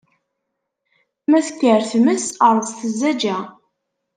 Ma tekker tmes, rẓet zzaj-a.